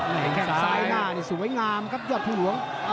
แข้งซ้ายหน้านี่สวยงามครับยอดภูหลวง